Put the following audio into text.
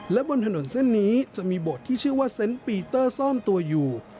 และบนถนนเส้นนี้จะมีบทที่ชื่อว่าเซนต์ปีเตอร์ซ่อนตัวอยู่